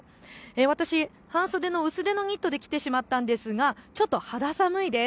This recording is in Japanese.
私半袖の薄手のニットで来てしまったんですがちょっと肌寒いです。